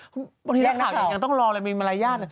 คุณแม่นักข่าวยังต้องรอบรายมีนมารัยญาณ